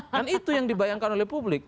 kan itu yang dibayangkan oleh publik